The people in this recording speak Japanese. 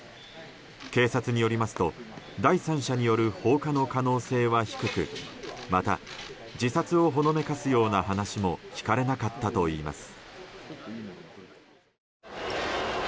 警察によりますと第三者による放火の可能性は低くまた自殺をほのめかすような話も聞かれなかったといいます。